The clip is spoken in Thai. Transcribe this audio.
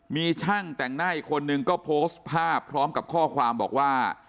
มีช่างแต่งหน้าอีกคนนึงก็โพสต์ภาพพร้อมกับข้อความบอกว่า